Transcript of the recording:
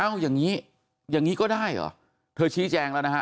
เอาอย่างนี้อย่างนี้ก็ได้เหรอเธอชี้แจงแล้วนะฮะ